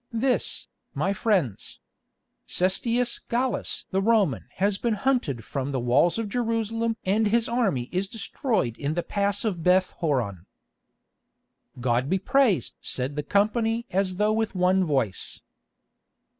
"This, my friends. Cestius Gallus the Roman has been hunted from the walls of Jerusalem and his army is destroyed in the pass of Beth horon." "God be praised!" said the company as though with one voice.